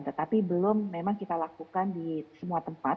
tetapi belum memang kita lakukan di semua tempat